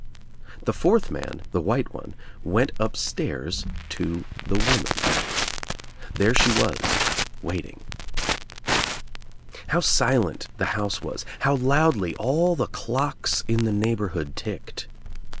The fourth man, the white one, went upstairs to the woman. There she was — waiting. How silent the house was — how loudly ali the clocks in the neighborhood ticked.